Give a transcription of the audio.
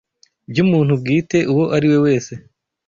by’umuntu bwite uwo ariwe wese